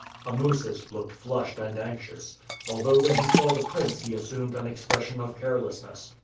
Amusis looked flushed and anxious, although when he saw the prince he assumed an expression of carelessness.